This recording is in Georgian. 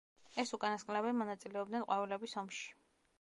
ეს უკანასკნელები მონაწილეობდნენ ყვავილების ომში.